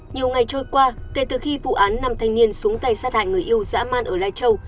nhiều ngày trôi qua kể từ khi vụ án năm thanh niên xuống tay sát hại người yêu dã man ở lai châu